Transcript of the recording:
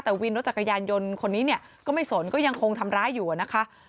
แต่วินรถจักรยานยนต์คนนี้เนี่ยก็ไม่สนก็ยังคงทำร้ายอยู่นะคะ